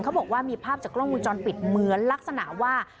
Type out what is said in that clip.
บอกว่ามีภาพจากกล้องมุมจรปิดเหมือนลักษณะว่า